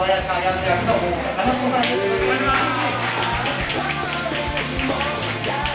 よろしくお願いします！